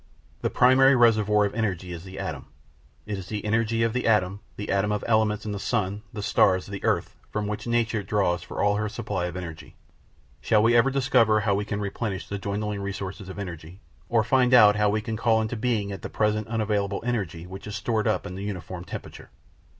The primary reservoir of energy is the atom; it is the energy of the atom, the atom of elements in the sun, the stars, the earth, from which nature draws for all her supply of energy. Shall we ever discover how we can replenish the dwindling resources of energy, or find out how we can call into being the at present unavailable energy which is stored up in uniform temperature?